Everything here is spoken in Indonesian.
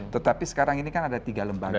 tetapi sekarang ini kan ada tiga lembaga